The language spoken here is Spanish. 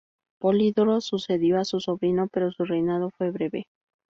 Polidoro sucedió a su sobrino, pero su reinado fue breve.